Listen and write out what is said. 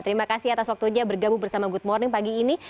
terima kasih atas waktunya bergabung bersama good morning pagi ini